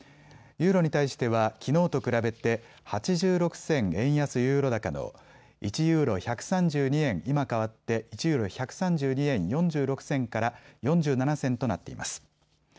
ユーロに対してはきのうと比べて８６銭円安ユーロ高の１ユーロ１３２円、今、変わって１ユーロ１３２円４６銭から４７銭となっています。